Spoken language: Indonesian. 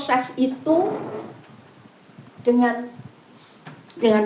saya bisa keluar